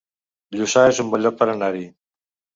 Lluçà es un bon lloc per anar-hi